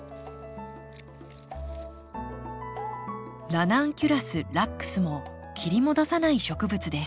ラナンキュラスラックスも切り戻さない植物です。